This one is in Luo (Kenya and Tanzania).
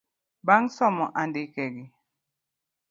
Bang somo andikegi